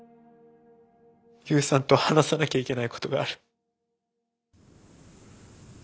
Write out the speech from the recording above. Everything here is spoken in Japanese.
悠さんと話さなきゃいけないことがある。